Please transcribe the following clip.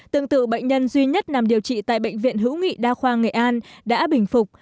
tương tự bệnh nhân duy nhất nằm điều trị tại bệnh viện hữu nghị đa khoa nghệ an đã bình phục